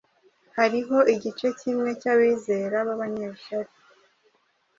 Hariho igice kimwe cy’abizera b’abanyeshyari